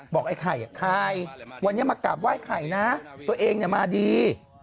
บอกไอ้ไข่ใครวันนี้มากลับว่าไอ้ไข่นะตัวเองเนี่ยมาดี